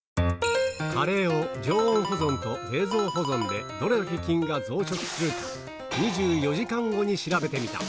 カレーを常温保存と、冷蔵保存で、どれだけ菌が増殖するか、２４時間後に調べてみた。